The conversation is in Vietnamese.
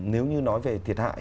nếu như nói về thiệt hại